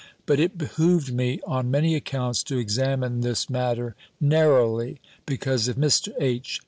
But it behoved me, on many accounts, to examine this matter narrowly; because if Mr. H.